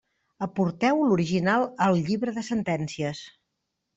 Aporteu l'original al llibre de sentències.